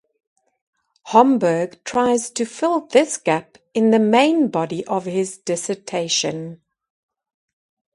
Homburg tries to fill this gap in the main body of his dissertation.